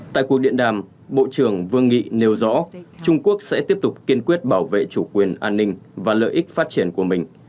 tại cuộc điện đàm bộ trưởng vương nghị nêu rõ trung quốc sẽ tiếp tục kiên quyết bảo vệ chủ quyền an ninh và lợi ích phát triển của mình